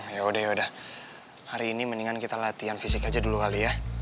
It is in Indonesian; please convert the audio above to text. ya udah yaudah hari ini mendingan kita latihan fisik aja dulu kali ya